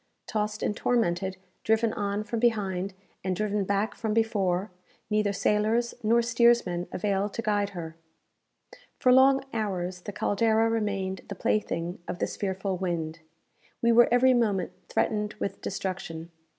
Tossed and tormented, driven on from behind, and driven back from before, neither sailors nor steersmen avail to guide her. For long hours the "Caldera" remained the plaything of this fearful wind. We were every moment threatened with destruction.